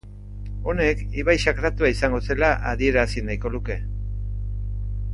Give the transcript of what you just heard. Honek ibai sakratua izango zela adierazi nahiko luke.